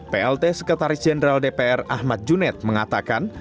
plt sekretaris jenderal dpr ahmad junet mengatakan